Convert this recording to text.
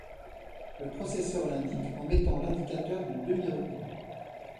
Le processeur l'indique en mettant l'indicateur de demi-retenue.